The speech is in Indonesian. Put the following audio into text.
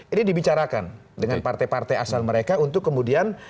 ini dibicarakan dengan partai partai asal mereka untuk kemudian